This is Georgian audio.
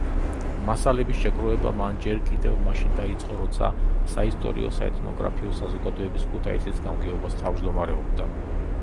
მასალების შეგროვება მან ჯერ კიდევ მაშინ დაიწყო როცა საისტორიო-საეთნოგრაფიო საზოგადოების ქუთაისის გამგეობას თავმჯდომარეობდა.